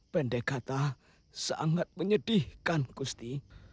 pendek kata sangat menyedihkan gusti